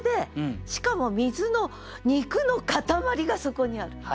しかも「みづの肉の塊」がそこにある。